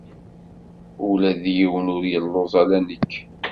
Ula d yiwen ur yelluẓ, ala nekk.